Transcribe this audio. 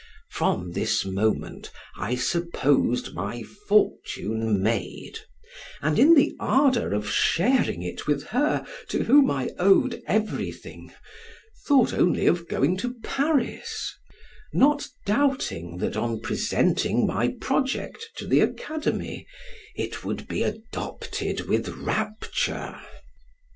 From this moment I supposed my fortune made, and in the ardor of sharing it with her to whom I owed everything, thought only of going to Paris, not doubting that on presenting my project to the Academy, it would be adopted with rapture.